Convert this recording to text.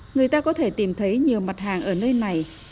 người ta có thể tìm thấy nhiều mặt hàng ở nơi này